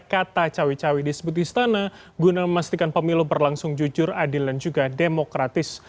kata cawe cawe disebut istana guna memastikan pemilu berlangsung jujur adil dan juga demokratis